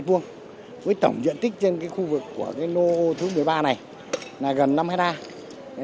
với tổng diện tích trên khu vực của cái nô thứ một mươi ba này là gần năm hectare